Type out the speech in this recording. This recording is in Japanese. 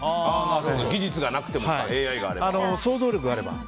技術がなくてもＡＩがあれば。